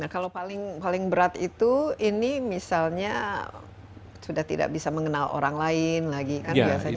kalau paling berat itu ini misalnya sudah tidak bisa mengenal orang lain lagi kan biasanya